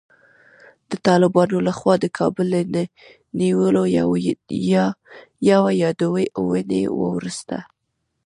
د طالبانو له خوا د کابل له نیولو یوه یا دوې اوونۍ وروسته